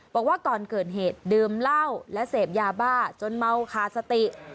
บอกว่าก่อนเกิดเหตุดื่มเหล้าและเสพยาบ้าจนเมาคาสติ